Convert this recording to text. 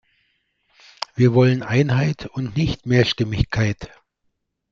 Wir wollen Einheit und nicht Mehrstimmigkeit.